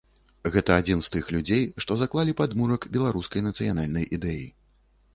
Гэта адзін з тых людзей, што закладалі падмурак беларускай нацыянальнай ідэі.